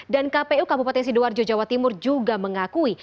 dan kpu kabupaten sidoarjo jawa timur juga mengakui